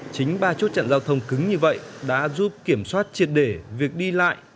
chính ba chốt chặn giao thông cứng như vậy đã giúp kiểm soát triệt để việc đi lại